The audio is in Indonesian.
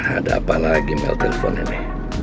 ada apa lagi mel telepon ini